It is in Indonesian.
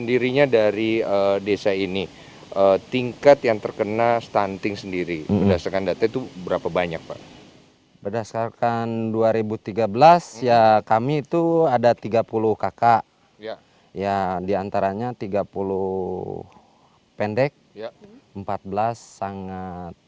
itu berapa banyak pak berdasarkan dua ribu tiga belas ya kami itu ada tiga puluh kakak ya diantaranya tiga puluh pendek empat belas sangat